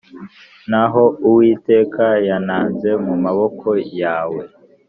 naho Uwiteka yantanze mu maboko yawe.